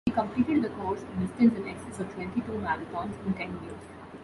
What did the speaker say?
He completed the course, a distance in excess of twenty-two marathons, in ten days.